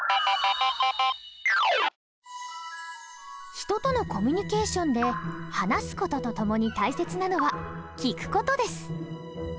人とのコミュニケーションで話す事とともに大切なのは聴く事です。